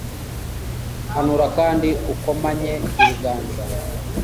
hanura kandi ukomanye ibiganza